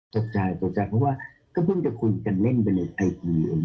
ตกใจตกใจเพราะว่าก็เพิ่งจะคุยกันเล่นไปหนึ่งไอ้คนเดียว